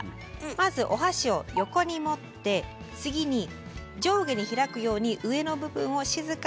まずお箸を横に持って次に上下に開くように上の部分を静かに引っ張って割ります。